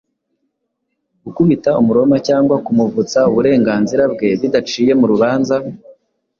gukubita umuroma cyangwa kumuvutsa uburenganzira bwe bidaciye mu rubanza